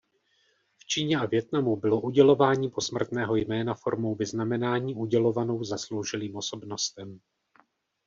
V Číně a Vietnamu bylo udělování posmrtného jména formou vyznamenání udělovanou zasloužilým osobnostem.